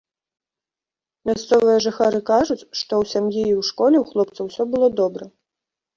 Мясцовыя жыхары кажуць, што ў сям'і і ў школе ў хлопца ўсё было добра.